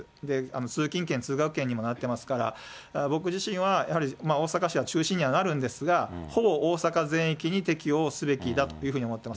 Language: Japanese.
通勤圏、通学圏にもなっていますから、僕自身はやはり、大阪市は中心にはなるんですが、ほぼ大阪全域に適用すべきだというふうに思ってます。